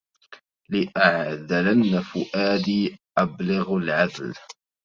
لأعذلن فؤادي أبلغ العذل